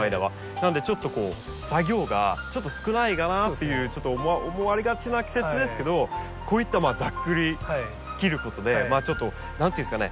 なのでちょっとこう作業がちょっと少ないかなっていうちょっと思われがちな季節ですけどこういったざっくり切ることでちょっと何て言うんですかね